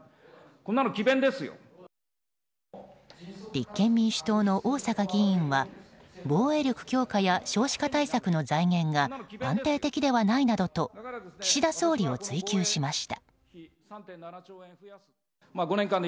立憲民主党の逢坂議員は防衛力強化や少子化対策の財源が安定的ではないなどと岸田総理を追及しました。